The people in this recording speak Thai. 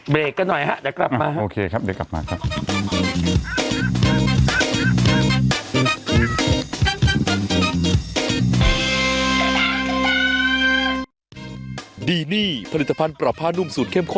เบรกกันหน่อยค่ะเดี๋ยวกลับมาค่ะ